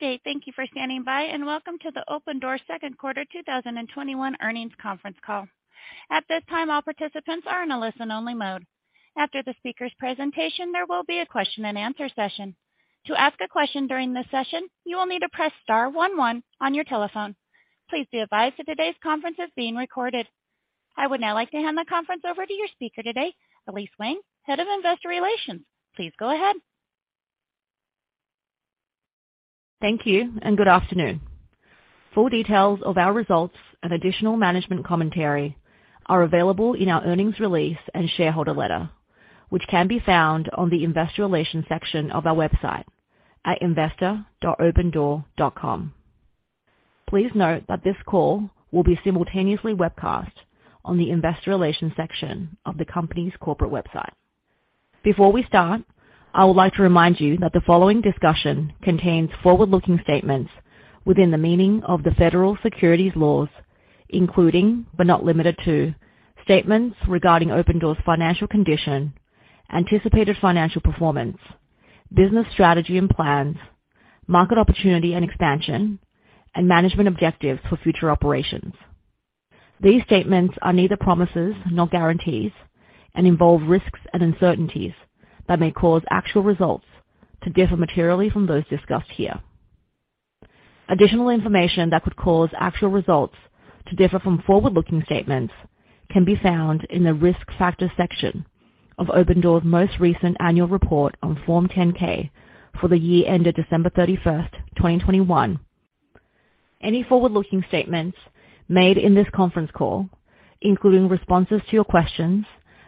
Good day. Thank you for standing by and welcome to the Opendoor second quarter 2021 earnings conference call. At this time, all participants are in a listen only mode. After the speaker's presentation, there will be a Q&A session. To ask a question during this session, you will need to press star one one on your telephone. Please be advised that today's conference is being recorded. I would now like to hand the conference over to your speaker today, Elise Wang, Head of Investor Relations. Please go ahead. Thank you and good afternoon. Full details of our results and additional management commentary are available in our earnings release and shareholder letter, which can be found on the Investor Relations section of our website at investor.opendoor.com. Please note that this call will be simultaneously webcast on the Investor Relations section of the company's corporate website. Before we start, I would like to remind you that the following discussion contains forward-looking statements within the meaning of the federal securities laws, including but not limited to, statements regarding Opendoor's financial condition, anticipated financial performance, business strategy and plans, market opportunity and expansion, and management objectives for future operations. These statements are neither promises nor guarantees and involve risks and uncertainties that may cause actual results to differ materially from those discussed here. Additional information that could cause actual results to differ from forward-looking statements can be found in the Risk Factors section of Opendoor's most recent annual report on Form 10-K for the year ended December 31, 2021. Any forward-looking statements made in this conference call, including responses to your questions,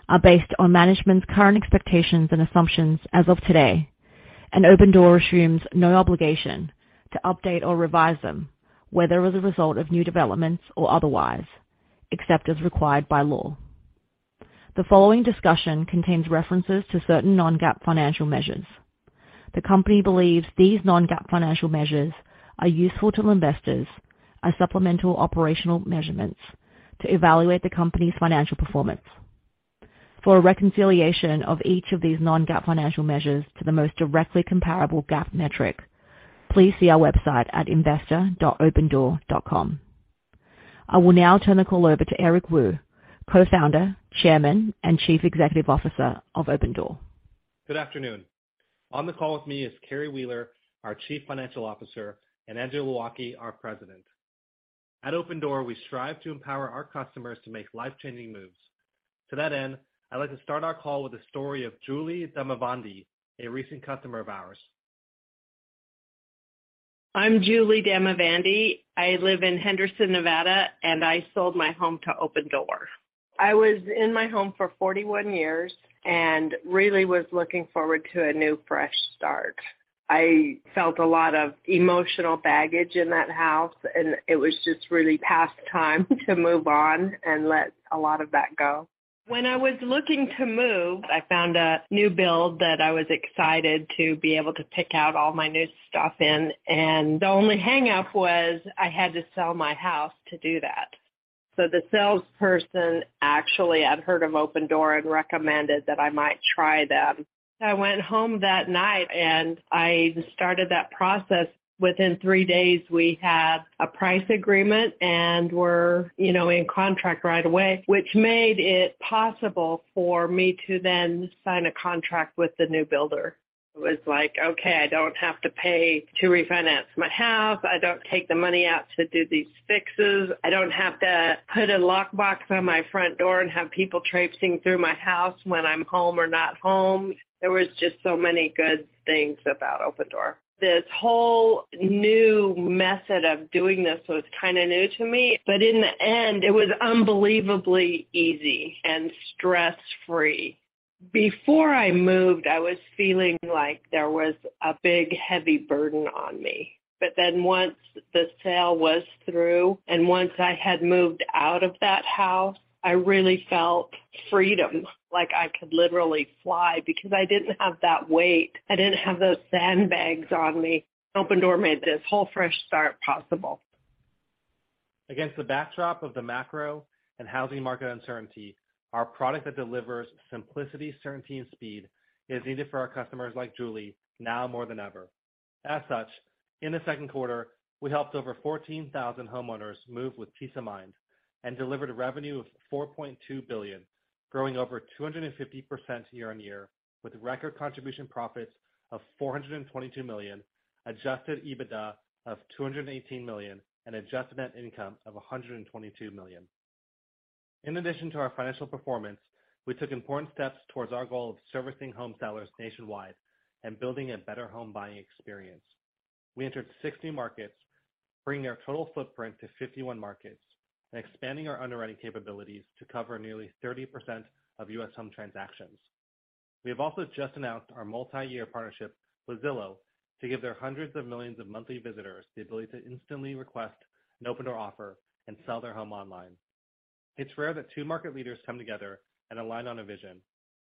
are based on management's current expectations and assumptions as of today, and Opendoor assumes no obligation to update or revise them, whether as a result of new developments or otherwise, except as required by law. The following discussion contains references to certain non-GAAP financial measures. The company believes these non-GAAP financial measures are useful to investors as supplemental operational measurements to evaluate the company's financial performance. For a reconciliation of each of these non-GAAP financial measures to the most directly comparable GAAP metric, please see our website at investor.opendoor.com. I will now turn the call over to Eric Wu, Co-founder, Chairman, and Chief Executive Officer of Opendoor. Good afternoon. On the call with me is Carrie Wheeler, our Chief Financial Officer, and Andrew Low Ah Kee, our President. At Opendoor, we strive to empower our customers to make life-changing moves. To that end, I'd like to start our call with the story of Julie Damavandi, a recent customer of ours. I'm Julie Damavandi. I live in Henderson, Nevada, and I sold my home to Opendoor. I was in my home for 41 years and really was looking forward to a new, fresh start. I felt a lot of emotional baggage in that house, and it was just really past time to move on and let a lot of that go. When I was looking to move, I found a new build that I was excited to be able to pick out all my new stuff in, and the only hang-up was I had to sell my house to do that. The salesperson actually had heard of Opendoor and recommended that I might try them. I went home that night, and I started that process. Within three days, we had a price agreement, and we're, you know, in contract right away, which made it possible for me to then sign a contract with the new builder. It was like, okay, I don't have to pay to refinance my house. I don't take the money out to do these fixes. I don't have to put a lock box on my front door and have people traipsing through my house when I'm home or not home. There was just so many good things about Opendoor. This whole new method of doing this was kinda new to me, but in the end, it was unbelievably easy and stress-free. Before I moved, I was feeling like there was a big, heavy burden on me. Once the sale was through and once, I had moved out of that house, I really felt freedom. Like I could literally fly because I didn't have that weight. I didn't have those sandbags on me. Opendoor made this whole fresh start possible. Against the backdrop of the macro and housing market uncertainty, our product that delivers simplicity, certainty, and speed is needed for our customers like Julie, now more than ever. In the second quarter, we helped over 14,000 homeowners move with peace of mind and delivered revenue of $4.2 billion, growing over 250% year-over-year, with record contribution profits of $422 million, adjusted EBITDA of $218 million, and adjusted net income of $122 million. In addition to our financial performance, we took important steps towards our goal of servicing home sellers nationwide and building a better home buying experience. We entered 60 markets, bringing our total footprint to 51 markets and expanding our underwriting capabilities to cover nearly 30% of U.S. home transactions. We have also just announced our multi-year partnership with Zillow to give their hundreds of millions of monthly visitors the ability to instantly request an Opendoor offer and sell their home online. It's rare that two market leaders come together and align on a vision,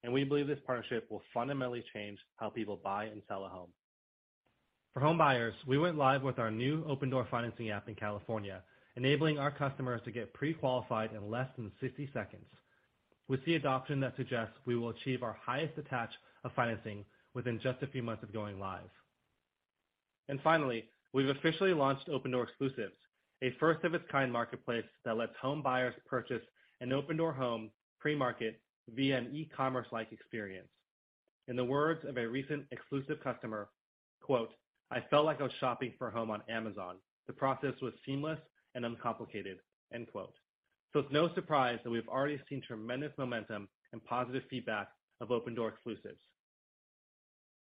and we believe this partnership will fundamentally change how people buy and sell a home. For home buyers, we went live with our new Opendoor financing app in California, enabling our customers to get pre-qualified in less than 60 seconds. With the adoption that suggests we will achieve our highest attach of financing within just a few months of going live. Finally, we've officially launched Opendoor Exclusives, a first of its kind marketplace that lets home buyers purchase an Opendoor home pre-market via an e-commerce-like experience. In the words of a recent exclusive customer, quote, "I felt like I was shopping for a home on Amazon. The process was seamless and uncomplicated." End quote. It's no surprise that we've already seen tremendous momentum and positive feedback of Opendoor Exclusives.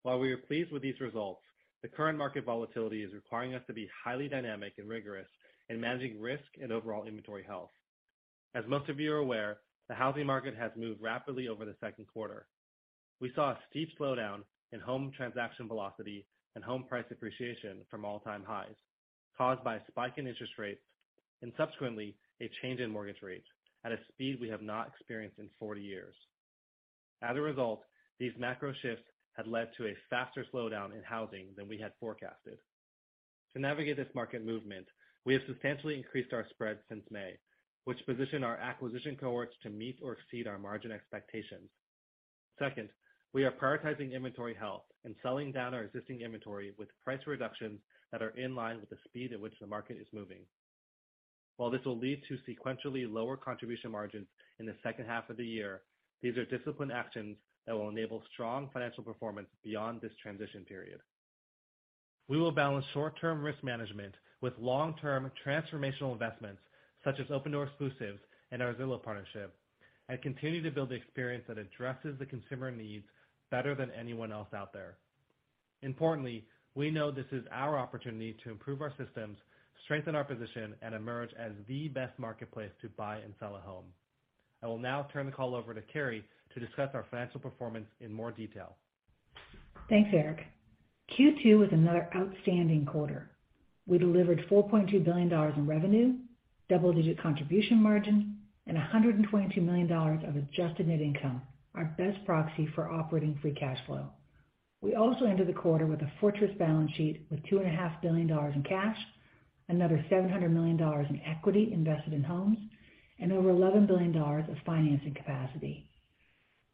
While we are pleased with these results, the current market volatility is requiring us to be highly dynamic and rigorous in managing risk and overall inventory health. As most of you are aware, the housing market has moved rapidly over the second quarter. We saw a steep slowdown in home transaction velocity and home price appreciation from all-time highs caused by a spike in interest rates and subsequently a change in mortgage rates at a speed we have not experienced in 40 years. As a result, these macro shifts had led to a faster slowdown in housing than we had forecasted. To navigate this market movement, we have substantially increased our spread since May, which position our acquisition cohorts to meet or exceed our margin expectations. Second, we are prioritizing inventory health and selling down our existing inventory with price reductions that are in line with the speed at which the market is moving. While this will lead to sequentially lower contribution margins in the second half of the year, these are disciplined actions that will enable strong financial performance beyond this transition period. We will balance short-term risk management with long-term transformational investments such as Opendoor Exclusives and our Zillow partnership and continue to build the experience that addresses the consumer needs better than anyone else out there. Importantly, we know this is our opportunity to improve our systems, strengthen our position, and emerge as the best marketplace to buy and sell a home. I will now turn the call over to Carrie to discuss our financial performance in more detail. Thanks, Eric. Q2 was another outstanding quarter. We delivered $4.2 billion in revenue, double-digit contribution margin, and $122 million of adjusted net income, our best proxy for operating free cash flow. We also ended the quarter with a fortress balance sheet with $2.5 billion in cash, another $700 million in equity invested in homes, and over $11 billion of financing capacity.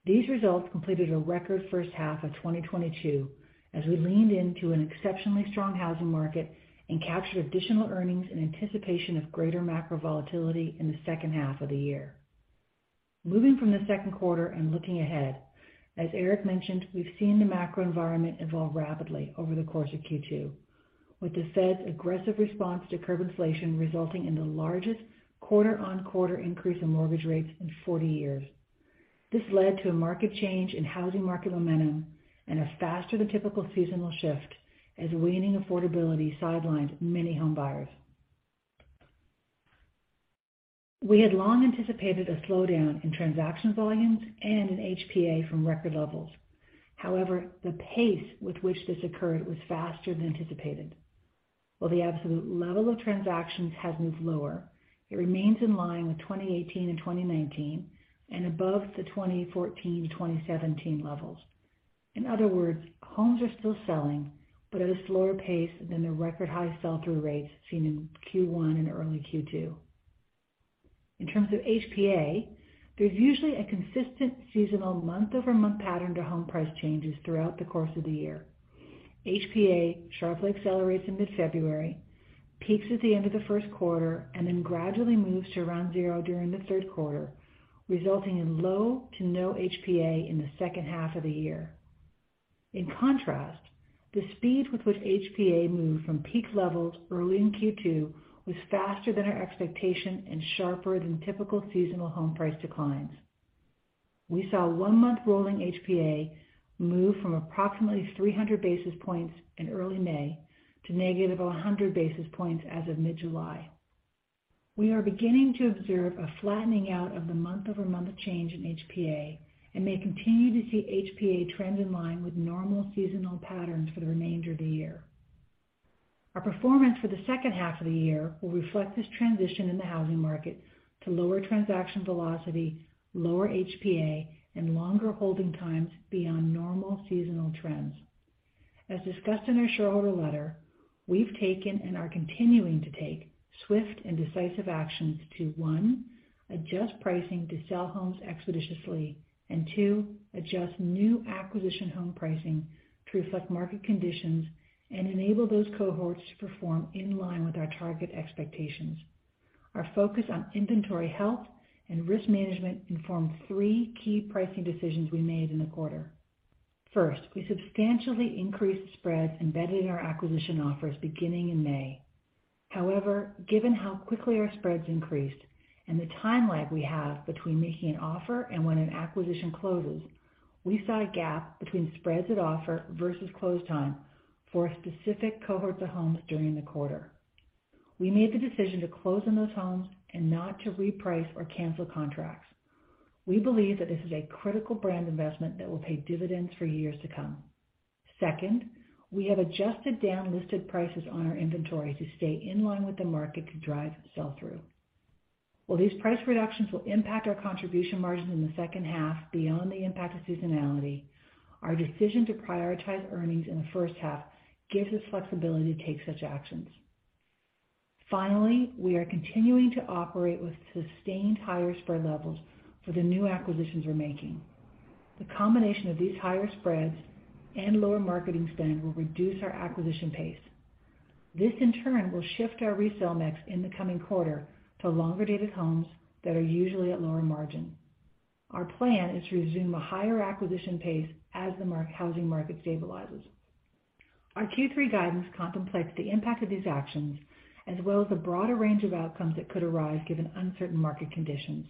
These results completed a record first half of 2022, as we leaned into an exceptionally strong housing market and captured additional earnings in anticipation of greater macro volatility in the second half of the year. Moving from the second quarter and looking ahead, as Eric mentioned, we've seen the macro environment evolve rapidly over the course of Q2, with the Fed's aggressive response to curb inflation resulting in the largest quarter-on-quarter increase in mortgage rates in 40 years. This led to a market change in housing market momentum and a faster than typical seasonal shift as waning affordability sidelined many home buyers. We had long anticipated a slowdown in transaction volumes and in HPA from record levels. However, the pace with which this occurred was faster than anticipated. While the absolute level of transactions has moved lower, it remains in line with 2018 and 2019 and above the 2014-2017 levels. In other words, homes are still selling, but at a slower pace than the record high sell-through rates seen in Q1 and early Q2. In terms of HPA, there's usually a consistent seasonal month-over-month pattern to home price changes throughout the course of the year. HPA sharply accelerates in mid-February, peaks at the end of the first quarter, and then gradually moves to around zero during the third quarter, resulting in low to no HPA in the second half of the year. In contrast, the speed with which HPA moved from peak levels early in Q2 was faster than our expectation and sharper than typical seasonal home price declines. We saw one-month rolling HPA move from approximately 300 basis points in early May to -100 basis points as of mid-July. We are beginning to observe a flattening out of the month-over-month change in HPA and may continue to see HPA trend in line with normal seasonal patterns for the remainder of the year. Our performance for the second half of the year will reflect this transition in the housing market to lower transaction velocity, lower HPA, and longer holding times beyond normal seasonal trends. As discussed in our shareholder letter, we've taken and are continuing to take swift and decisive actions to, one, adjust pricing to sell homes expeditiously, and two, adjust new acquisition home pricing to reflect market conditions and enable those cohorts to perform in line with our target expectations. Our focus on inventory health and risk management informed three key pricing decisions we made in the quarter. First, we substantially increased spreads embedded in our acquisition offers beginning in May. However, given how quickly our spreads increased and the time lag we have between making an offer and when an acquisition closes, we saw a gap between spreads at offer versus close time for specific cohorts of homes during the quarter. We made the decision to close on those homes and not to reprice or cancel contracts. We believe that this is a critical brand investment that will pay dividends for years to come. Second, we have adjusted down listed prices on our inventory to stay in line with the market to drive sell-through. While these price reductions will impact our contribution margins in the second half beyond the impact of seasonality, our decision to prioritize earnings in the first half gives us flexibility to take such actions. Finally, we are continuing to operate with sustained higher spread levels for the new acquisitions we're making. The combination of these higher spreads and lower marketing spend will reduce our acquisition pace. This in turn will shift our resale mix in the coming quarter to longer-dated homes that are usually at lower margin. Our plan is to resume a higher acquisition pace as the housing market stabilizes. Our Q3 guidance contemplates the impact of these actions as well as the broader range of outcomes that could arise given uncertain market conditions.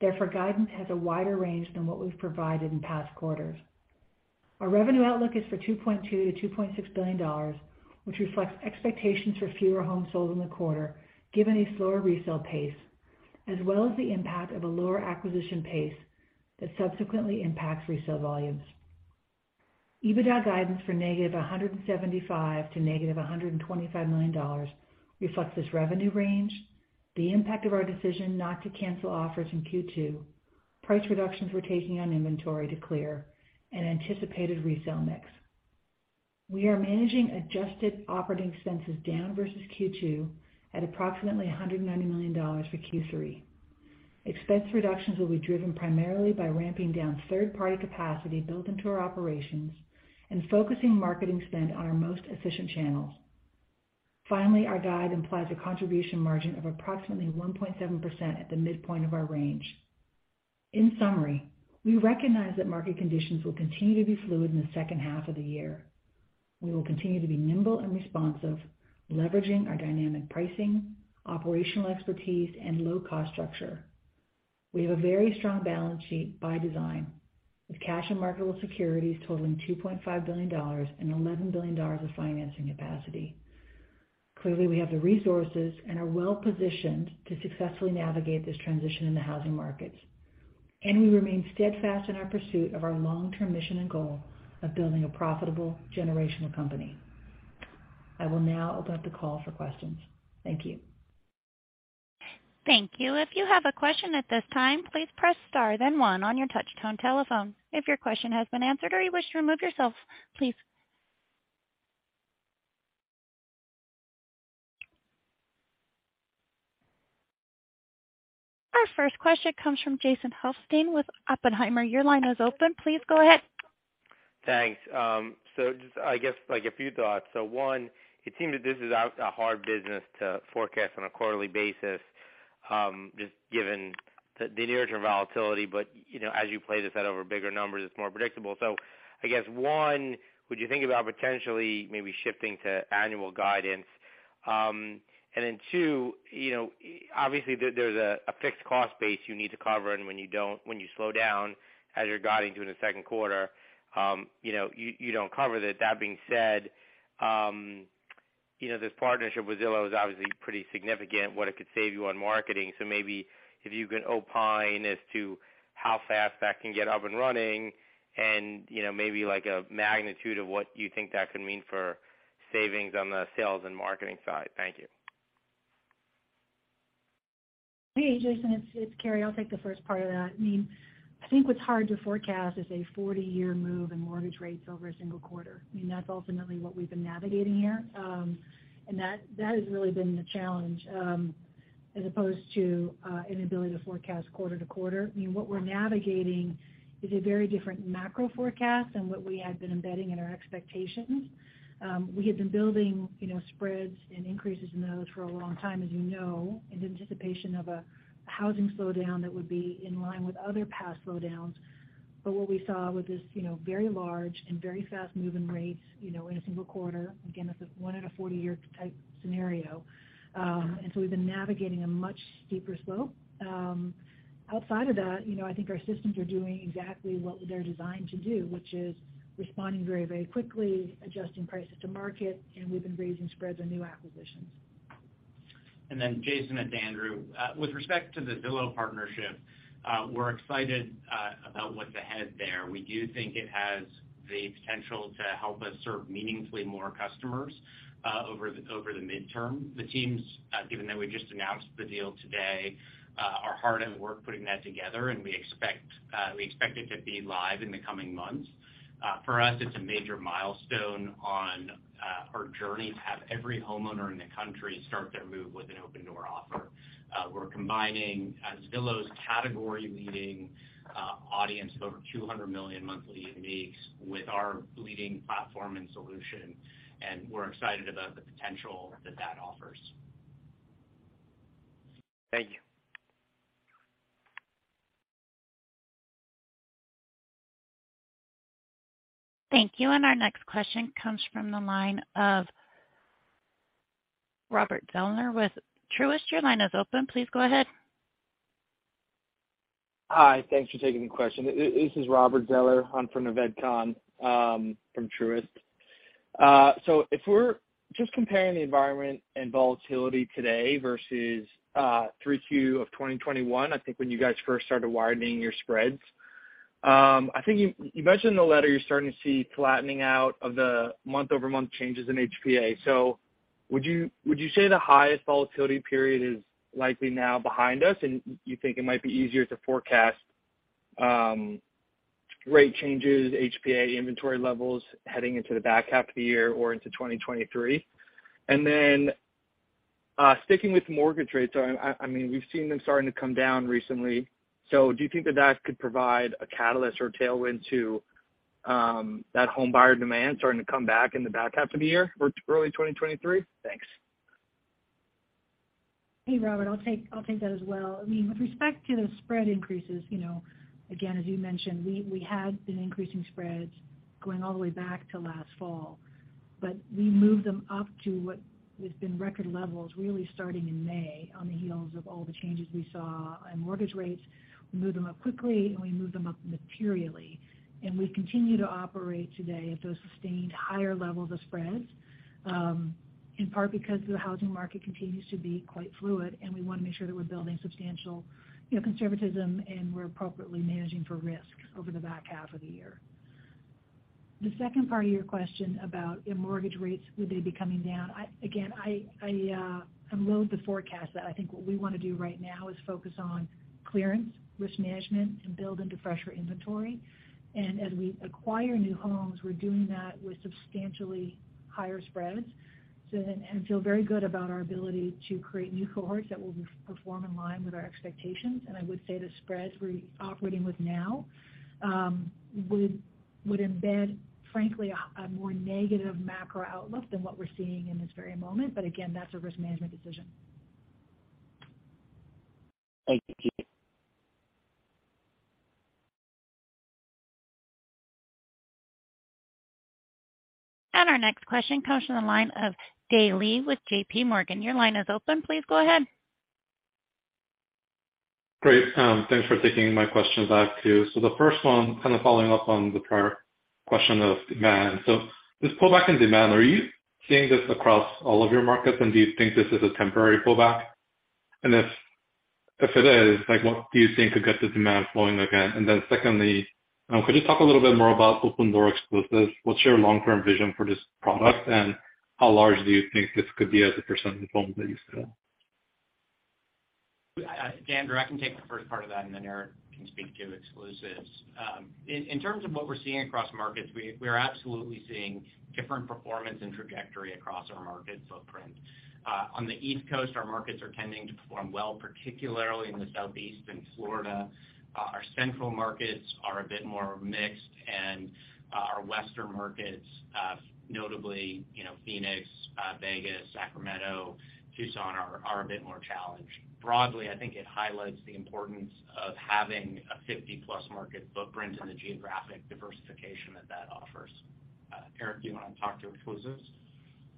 Therefore, guidance has a wider range than what we've provided in past quarters. Our revenue outlook is for $2.2 billion-$2.6 billion, which reflects expectations for fewer homes sold in the quarter given a slower resale pace, as well as the impact of a lower acquisition pace that subsequently impacts resale volumes. EBITDA guidance for -$175 million to -$125 million reflects this revenue range, the impact of our decision not to cancel offers in Q2, price reductions we're taking on inventory to clear, and anticipated resale mix. We are managing adjusted operating expenses down versus Q2 at approximately $190 million for Q3. Expense reductions will be driven primarily by ramping down third-party capacity built into our operations and focusing marketing spend on our most efficient channels. Finally, our guide implies a contribution margin of approximately 1.7% at the midpoint of our range. In summary, we recognize that market conditions will continue to be fluid in the second half of the year. We will continue to be nimble and responsive, leveraging our dynamic pricing, operational expertise, and low-cost structure. We have a very strong balance sheet by design, with cash and marketable securities totaling $2.5 billion and $11 billion of financing capacity. Clearly, we have the resources and are well-positioned to successfully navigate this transition in the housing markets, and we remain steadfast in our pursuit of our long-term mission and goal of building a profitable generational company. I will now open up the call for questions. Thank you. Thank you. If you have a question at this time, please press star, then one on your touchtone telephone. If your question has been answered or you wish to remove yourself, please. Our first question comes from Jason Helfstein with Oppenheimer. Your line is open. Please go ahead. Thanks. Just I guess like a few thoughts. One, it seemed that this is a hard business to forecast on a quarterly basis, just given the near-term volatility. You know, as you play this out over bigger numbers, it's more predictable. I guess, one, would you think about potentially maybe shifting to annual guidance? Two, you know, obviously there's a fixed cost base you need to cover, and when you don't, when you slow down as you're guiding to in the second quarter, you know, you don't cover that. That being said, you know, this partnership with Zillow is obviously pretty significant, what it could save you on marketing. Maybe if you can opine as to how fast that can get up and running and, you know, maybe like a magnitude of what you think that could mean for savings on the sales and marketing side. Thank you. Hey, Jason, it's Carrie. I'll take the first part of that. I mean, I think what's hard to forecast is a 40-year move in mortgage rates over a single quarter. I mean, that's ultimately what we've been navigating here. That has really been the challenge, as opposed to an ability to forecast quarter-to-quarter. I mean, what we're navigating is a very different macro forecast than what we had been embedding in our expectations. We had been building, you know, spreads and increases in those for a long time, as you know, in anticipation of a housing slowdown that would be in line with other past slowdowns. What we saw was this, you know, very large and very fast move in rates, you know, in a single quarter. Again, this is one in a 40-year type scenario. We've been navigating a much steeper slope. Outside of that, you know, I think our systems are doing exactly what they're designed to do, which is responding very, very quickly, adjusting prices to market, and we've been raising spreads on new acquisitions. Jason, it's Andrew. With respect to the Zillow partnership, we're excited about what's ahead there. We do think it has the potential to help us serve meaningfully more customers over the midterm. The teams, given that we just announced the deal today, are hard at work putting that together, and we expect it to be live in the coming months. For us, it's a major milestone on our journey to have every homeowner in the country start their move with an Opendoor offer. We're combining Zillow's category-leading audience of over 200 million monthly uniques with our leading platform and solution, and we're excited about the potential that offers. Thank you. Thank you. Our next question comes from the line of Robert Zeller with Truist. Your line is open. Please go ahead. Hi. Thanks for taking the question. This is Robert Zeller. I'm from Truist. If we're just comparing the environment and volatility today versus 3Q of 2021, I think when you guys first started widening your spreads, I think you mentioned in the letter you're starting to see flattening out of the month-over-month changes in HPA. Would you say the highest volatility period is likely now behind us, and you think it might be easier to forecast rate changes, HPA inventory levels heading into the back half of the year or into 2023? Then, sticking with mortgage rates, I mean, we've seen them starting to come down recently. Do you think that could provide a catalyst or tailwind to that home buyer demand starting to come back in the back half of the year or early 2023? Thanks. Hey, Robert, I'll take that as well. I mean, with respect to the spread increases, you know, again, as you mentioned, we had been increasing spreads going all the way back to last fall. We moved them up to what has been record levels, really starting in May on the heels of all the changes we saw on mortgage rates. We moved them up quickly, and we moved them up materially. We continue to operate today at those sustained higher levels of spreads, in part because the housing market continues to be quite fluid, and we want to make sure that we're building substantial, you know, conservatism, and we're appropriately managing for risks over the back half of the year. The second part of your question about if mortgage rates, would they be coming down? Again, about the forecast that I think what we wanna do right now is focus on clearance, risk management, and build into fresher inventory. As we acquire new homes, we're doing that with substantially higher spreads and feel very good about our ability to create new cohorts that will re-perform in line with our expectations. I would say the spreads we're operating with now would embed, frankly, a more negative macro-outlook than what we're seeing in this very moment. Again, that's a risk management decision. Thank you. Our next question comes from the line of Dae Lee with JPMorgan. Your line is open. Please go ahead. Great. Thanks for taking my questions back, too. The first one, kind of following up on the prior question of demand. This pullback in demand, are you seeing this across all of your markets, and do you think this is a temporary pullback? If it is, like, what do you think could get the demand flowing again? Secondly, could you talk a little bit more about Opendoor Exclusives? What's your long-term vision for this product, and how large do you think this could be as a percent of the homes that you sell? Dae, I can take the first part of that, and then Eric can speak to Exclusives. In terms of what we're seeing across markets, we are absolutely seeing different performance and trajectory across our market footprint. On the East Coast, our markets are tending to perform well, particularly in the Southeast and Florida. Our central markets are a bit more mixed, and our Western markets, notably, you know, Phoenix, Vegas, Sacramento, Tucson, are a bit more challenged. Broadly, I think it highlights the importance of having a 50+ market footprint and the geographic diversification that that offers. Eric, do you wanna talk to Exclusives?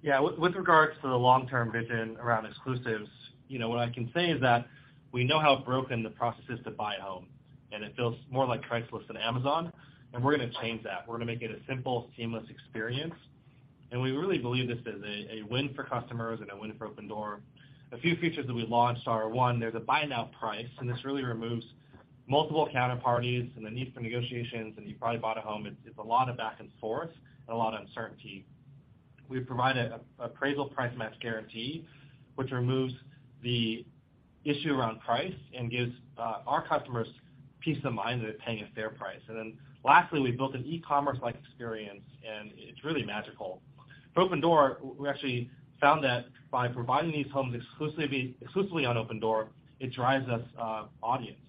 Yeah. With regards to the long-term vision around Exclusives, you know, what I can say is that we know how broken the process is to buy a home, and it feels more like Craigslist than Amazon, and we're gonna change that. We're gonna make it a simple, seamless experience. We really believe this is a win for customers and a win for Opendoor. A few features that we launched are, one, there's a buy-now price, and this really removes multiple counterparties and the need for negotiations, and you probably bought a home. It's a lot of back and forth and a lot of uncertainty. We provide an appraisal price match guarantee, which removes the issue around price and gives our customers peace of mind that they're paying a fair price. Then lastly, we built an e-commerce-like experience, and it's really magical. For Opendoor, we actually found that by providing these homes exclusively on Opendoor, it drives our audience.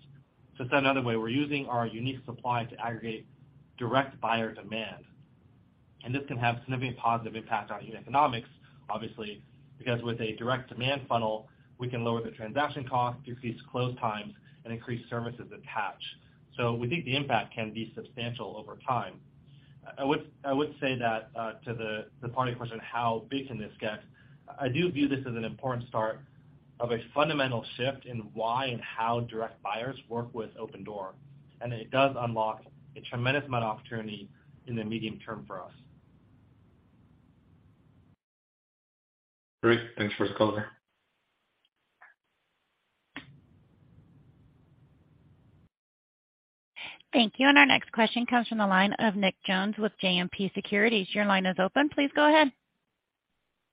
To put that another way, we're using our unique supply to aggregate direct buyer demand, and this can have significant positive impact on unit economics, obviously, because with a direct demand funnel, we can lower the transaction cost, decrease close times, and increase services attached. We think the impact can be substantial over time. I would say that to the part of your question, how big can this get. I do view this as an important start of a fundamental shift in why and how direct buyers work with Opendoor, and it does unlock a tremendous amount of opportunity in the medium term for us. Great. Thanks for the color. Thank you. Our next question comes from the line of Nick Jones with JMP Securities. Your line is open. Please go ahead.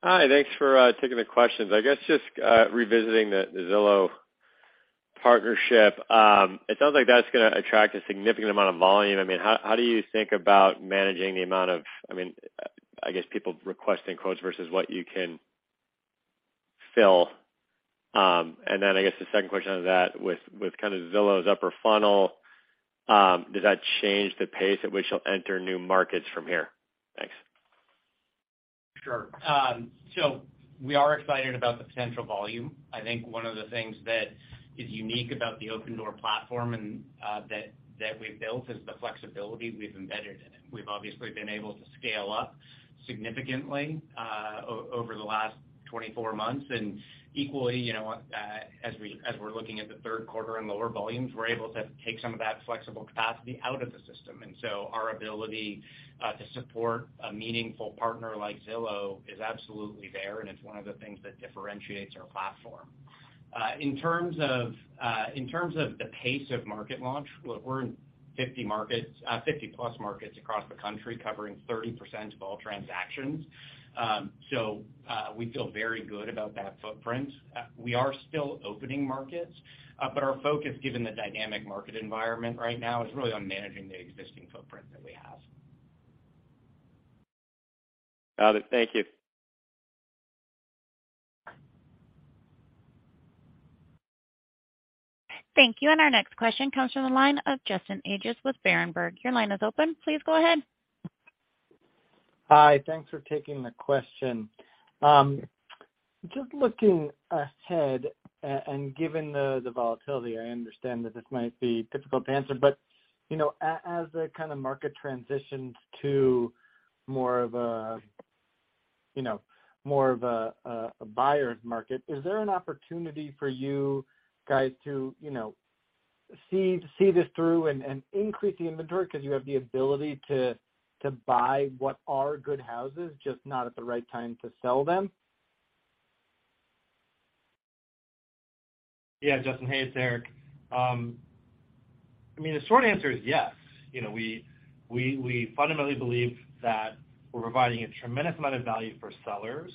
Hi. Thanks for taking the questions. I guess just revisiting the Zillow partnership. It sounds like that's gonna attract a significant amount of volume. I mean, how do you think about managing the amount of, I mean, I guess, people requesting quotes versus what you can fill? I guess the second question on that, with kinda Zillow's upper funnel, does that change the pace at which you'll enter new markets from here? Thanks. Sure. We are excited about the potential volume. I think one of the things that is unique about the Opendoor platform and that we've built is the flexibility we've embedded in it. We've obviously been able to scale up significantly over the last 24 months. Equally, you know, as we're looking at the third quarter and lower volumes, we're able to take some of that flexible capacity out of the system. Our ability to support a meaningful partner like Zillow is absolutely there, and it's one of the things that differentiates our platform. In terms of the pace of market launch, look, we're in 50 markets, 50+ markets across the country, covering 30% of all transactions. We feel very good about that footprint. We are still opening markets, but our focus, given the dynamic market environment right now, is really on managing the existing footprint that we have. Got it. Thank you. Thank you. Our next question comes from the line of Justin Ages with Berenberg. Your line is open. Please go ahead. Hi. Thanks for taking the question. Just looking ahead, and given the volatility, I understand that this might be difficult to answer, but, you know, as the kind of market transitions to more of a buyer's market, is there an opportunity for you guys to, you know, see this through and increase the inventory 'cause you have the ability to buy what are good houses, just not at the right time to sell them? Yeah, Justin. Hey, it's Eric. I mean, the short answer is yes. You know, we fundamentally believe that we're providing a tremendous amount of value for sellers,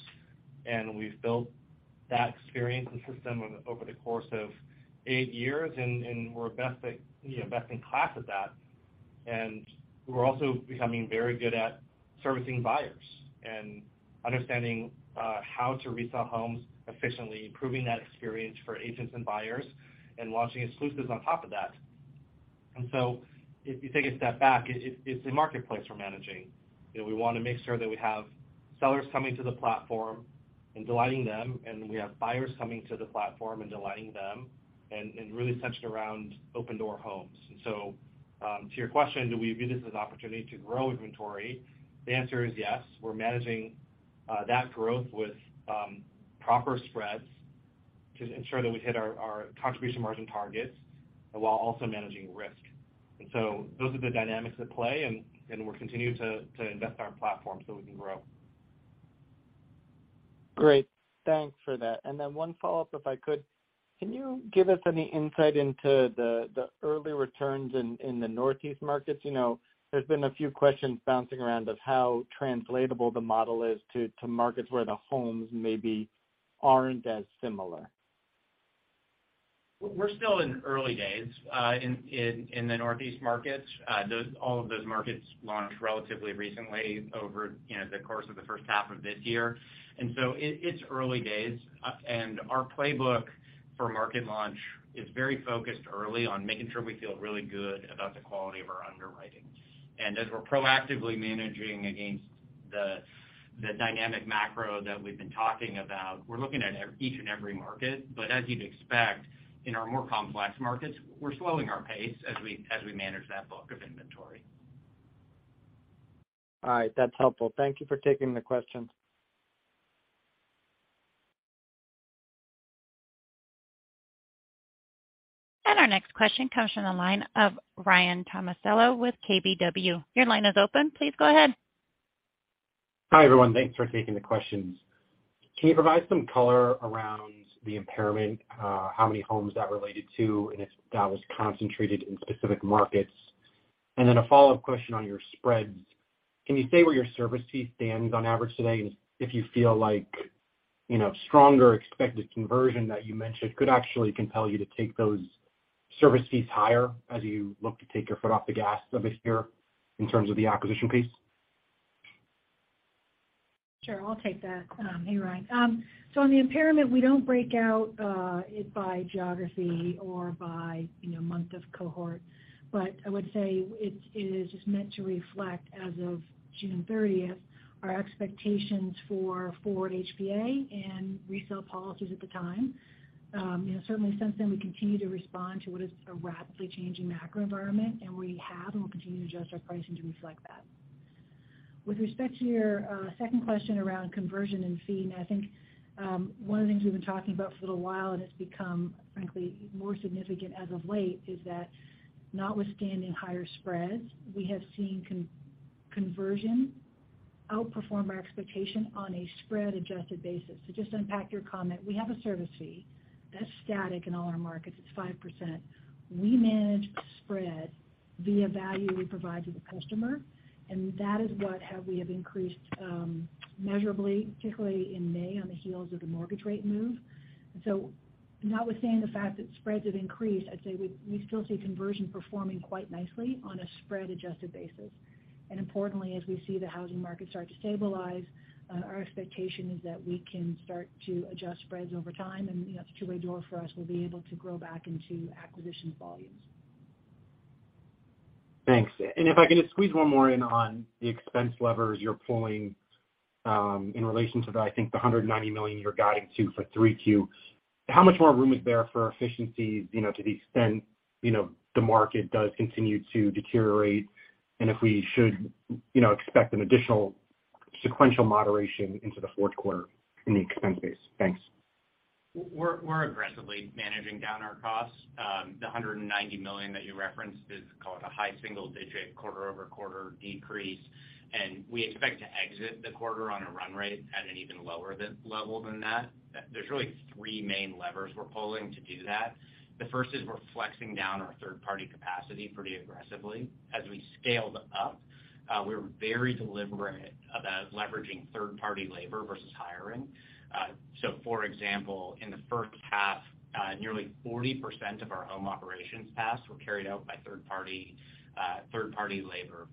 and we've built that experience and system over the course of eight years, and we're best in class at that. We're also becoming very good at servicing buyers and understanding how to resell homes efficiently, improving that experience for agents and buyers and launching Exclusives on top of that. If you take a step back, it's a marketplace we're managing. You know, we wanna make sure that we have sellers coming to the platform and delighting them, and we have buyers coming to the platform and delighting them and really centered around Opendoor homes. To your question, do we view this as opportunity to grow inventory? The answer is yes. We're managing that growth with proper spreads to ensure that we hit our contribution margin targets while also managing risk. Those are the dynamics at play and we're continuing to invest in our platform so we can grow. Great. Thanks for that. One follow-up, if I could. Can you give us any insight into the early returns in the Northeast markets? You know, there's been a few questions bouncing around of how translatable the model is to markets where the homes maybe aren't as similar. We're still in early days in the Northeast markets. All of those markets launched relatively recently over, you know, the course of the first half of this year. It's early days. Our playbook for market launch is very focused early on making sure we feel really good about the quality of our underwriting. As we're proactively managing against the dynamic macro that we've been talking about, we're looking at each and every market. As you'd expect, in our more complex markets, we're slowing our pace as we manage that book of inventory. All right. That's helpful. Thank you for taking the question. Our next question comes from the line of Ryan Tomasello with KBW. Your line is open. Please go ahead. Hi, everyone. Thanks for taking the questions. Can you provide some color around the impairment, how many homes that related to, and if that was concentrated in specific markets? A follow-up question on your spreads. Can you say where your service fee stands on average today? If you feel like, you know, stronger expected conversion that you mentioned could actually compel you to take those service fees higher as you look to take your foot off the gas of this year in terms of the acquisition piece. Sure. I'll take that. Hey, Ryan. On the impairment, we don't break out it by geography or by, you know, month of cohort. I would say it is meant to reflect as of June 30th, our expectations for forward HPA and resale policies at the time. You know, certainly since then, we continue to respond to what is a rapidly changing macro environment, and we have and will continue to adjust our pricing to reflect that. With respect to your second question around conversion and fee, and I think one of the things we've been talking about for a little while, and it's become, frankly, more significant as of late, is that notwithstanding higher spreads, we have seen conversion outperform our expectation on a spread adjusted basis. Just to unpack your comment, we have a service fee that's static in all our markets. It's 5%. We manage spread via value we provide to the customer, and that is what we have increased, measurably, particularly in May on the heels of the mortgage rate move. Notwithstanding the fact that spreads have increased, I'd say we still see conversion performing quite nicely on a spread adjusted basis. Importantly, as we see the housing market start to stabilize, our expectation is that we can start to adjust spreads over time. You know, it's a two-way door for us. We'll be able to grow back into acquisitions volumes. Thanks. If I could just squeeze one more in on the expense levers you're pulling, in relation to the, I think the $190 million you're guiding to for 3Q. How much more room is there for efficiencies, you know, to the extent, you know, the market does continue to deteriorate, and if we should, you know, expect an additional sequential moderation into the fourth quarter in the expense base? Thanks. We're aggressively managing down our costs. The $190 million that you referenced is call it a high single-digit quarter-over-quarter decrease, and we expect to exit the quarter on a run rate at an even lower level than that. There's really three main levers we're pulling to do that. The first is we're flexing down our third-party capacity pretty aggressively. As we scaled up, we're very deliberate about leveraging third-party labor versus hiring. So for example, in the first half, nearly 40% of our home operations tasks were carried out by third-party labor,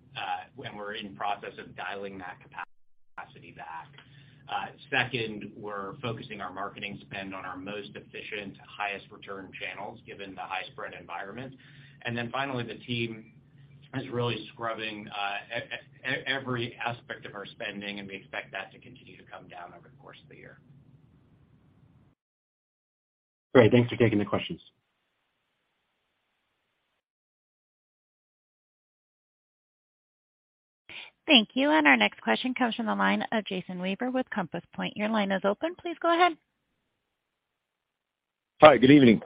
and we're in process of dialing that capacity back. Second, we're focusing our marketing spend on our most efficient, highest return channels given the high spread environment. Finally, the team is really scrubbing every aspect of our spending, and we expect that to continue to come down over the course of the year. Great. Thanks for taking the questions. Thank you. Our next question comes from the line of Jason Weaver with Compass Point. Your line is open. Please go ahead. Hi, good evening.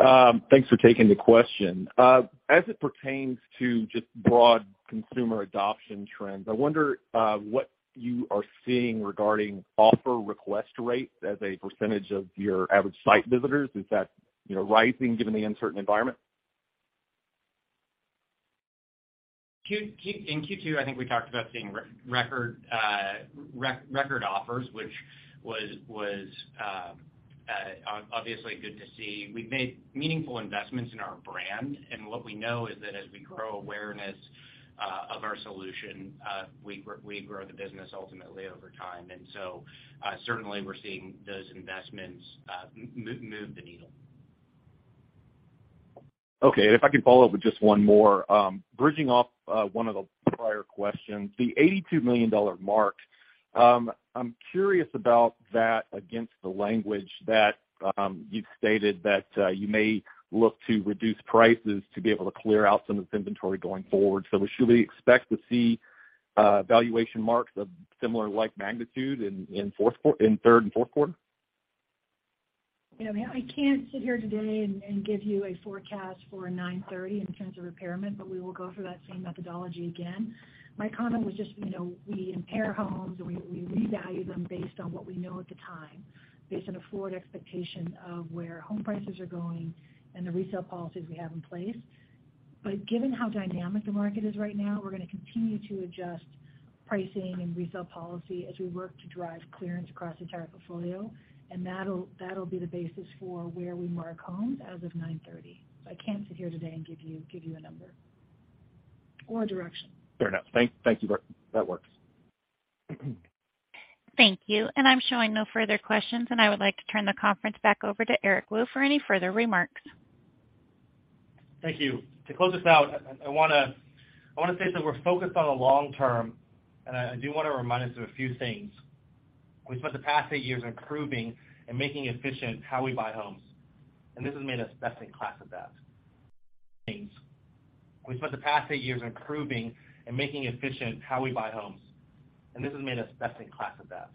Thanks for taking the question. As it pertains to just broad consumer adoption trends, I wonder what you are seeing regarding offer request rates as a percentage of your average site visitors. Is that, you know, rising given the uncertain environment? In Q2, I think we talked about seeing record offers, which was obviously good to see. We've made meaningful investments in our brand, and what we know is that as we grow awareness of our solution, we grow the business ultimately over time. Certainly we're seeing those investments move the needle. Okay. If I could follow up with just one more. Building off one of the prior questions, the $82 million mark, I'm curious about that against the language that you've stated that you may look to reduce prices to be able to clear out some of this inventory going forward. Should we expect to see valuation marks of similar like magnitude in third and fourth quarter? You know, I can't sit here today and give you a forecast for 9/30 in terms of impairment, but we will go through that same methodology again. My comment was just, you know, we impair homes and we revalue them based on what we know at the time, based on a forward expectation of where home prices are going and the resale policies we have in place. Given how dynamic the market is right now, we're gonna continue to adjust pricing and resale policy as we work to drive clearance across the entire portfolio, and that'll be the basis for where we mark homes as of 9/30. I can't sit here today and give you a number or direction. Fair enough. Thank you. That works. Thank you. I'm showing no further questions, and I would like to turn the conference back over to Eric Wu for any further remarks. Thank you. To close us out, I wanna say that we're focused on the long term, and I do wanna remind us of a few things. We spent the past eight years improving and making efficient how we buy homes, and this has made us best in class at that.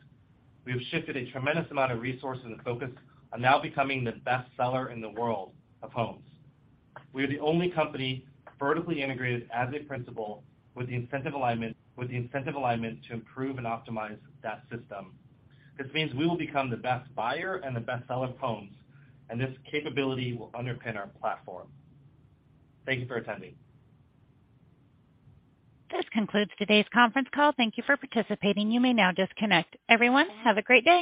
We have shifted a tremendous amount of resources and focus on now becoming the best seller in the world of homes. We are the only company vertically integrated as a principal with the incentive alignment to improve and optimize that system. This means we will become the best buyer and the best seller of homes, and this capability will underpin our platform. Thank you for attending. This concludes today's conference call. Thank you for participating. You may now disconnect. Everyone, have a great day.